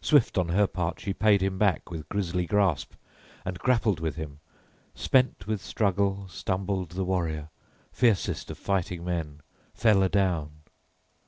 Swift on her part she paid him back with grisly grasp, and grappled with him. Spent with struggle, stumbled the warrior, fiercest of fighting men, fell adown.